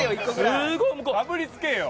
かぶりつけよ！